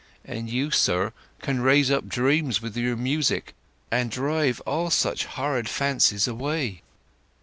... But you, sir, can raise up dreams with your music, and drive all such horrid fancies away!"